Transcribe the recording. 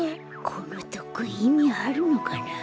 このとっくんいみあるのかな。